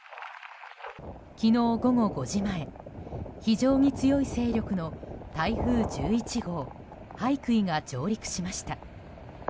昨日午後５時前非常に強い勢力の台風１１号ハイクイが上陸しました。